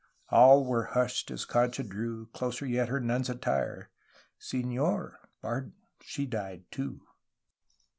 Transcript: All were hushed as Concha drew Closer yet her nun's attire. 'Senor, pardon, she died, too!'